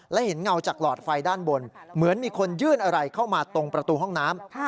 และเห็นเงาจากหลอดไฟด้านบนเหมือนมีคนยื่นอะไรเข้ามาตรงประตูห้องน้ำ